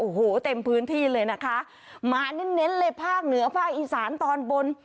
โอ้โหเต็มพื้นที่เลยนะคะมาเน้นเน้นเลยภาคเหนือภาคอีสานตอนบน